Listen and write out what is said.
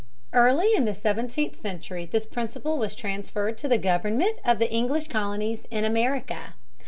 Early in the seventeenth century this principle was transferred to the government of the English colonies in America.